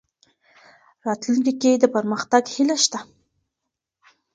راتلونکې کې د پرمختګ هیله شته.